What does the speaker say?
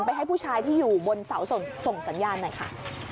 ให้ผู้ชายที่อยู่บนเสาส่งสัญญาณหน่อยค่ะ